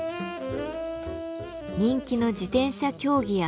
人気の自転車競技や風車。